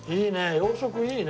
洋食いいね。